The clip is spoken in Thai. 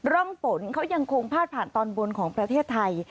ร่องฝนเขายังคงพาดผ่านตอนบนของประเทศไทย